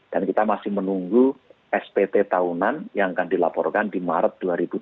dan kita masih menunggu spt tahunan yang akan dilaporkan di maret dua ribu dua puluh tiga